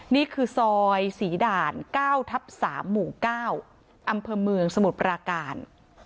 นี่คือซอยศรีด่าน๙ทับ๓หมู่๙อำเภอเมืองสมุทรปราการ